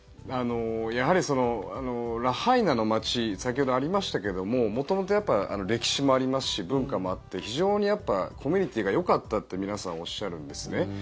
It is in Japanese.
やはり、ラハイナの街先ほどありましたけども元々、歴史もありますし文化もあって非常にコミュニティーがよかったって皆さん、おっしゃるんですね。